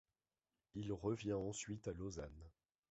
Il revient ensuite à Lausanne.